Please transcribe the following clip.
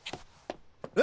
え？